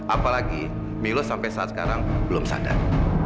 apalagi milo sampai saat sekarang belum sadar